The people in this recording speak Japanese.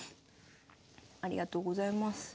ありがとうございます。